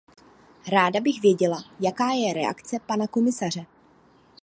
Ráda bych věděla, jaká je reakce pana komisaře.